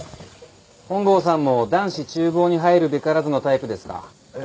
本郷さんも「男子厨房に入るべからず」のタイプですか？